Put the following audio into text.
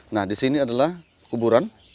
nah di sini adalah kuburan